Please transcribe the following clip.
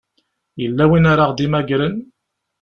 Yella win ara ɣ-d-imagren?